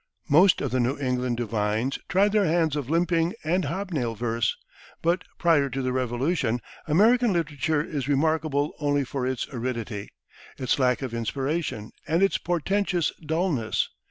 Most of the New England divines tried their hands at limping and hob nail verse, but prior to the Revolution, American literature is remarkable only for its aridity, its lack of inspiration and its portentous dulness.